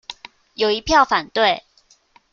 有一票反對